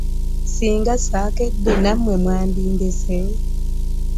Ssinga ssaakedde nammwe mwandindese.